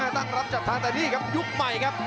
ตั้งรับจัดทางแต่นี่ครับยุคใหม่ครับ